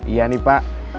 iya nih pak